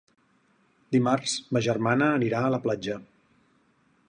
Dimarts ma germana anirà a la platja.